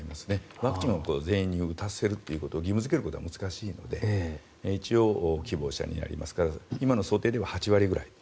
ワクチンを全員に打たせると義務付けることは難しいので一応、希望者になりますから今の想定では８割ぐらい。